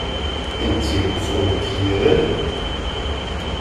Ein Zirkus ohne Tiere?